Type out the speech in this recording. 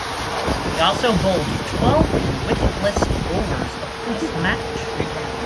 He also bowled twelve wicketless overs across the match.